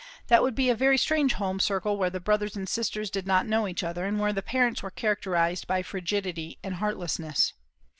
That would be a very strange home circle where the brothers and sisters did not know each other, and where the parents were characterised by frigidity and heartlessness.